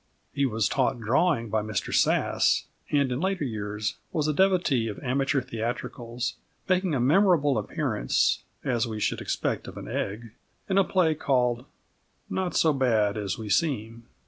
He was taught drawing by Mr Sass, and in later years was a devotee of amateur theatricals, making a memorable appearance, as we should expect of an Egg, in a play called Not so Bad as We Seem.